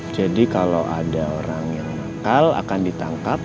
jadi kalau ada orang yang nakal akan ditangkap